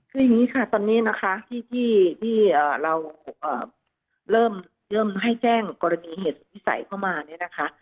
คืออย่างนี้ค่ะตอนนี้นะคะที่เราเริ่มให้แจ้งกรณีเหตุวิสัยเข้ามาเนี่ยนะคะ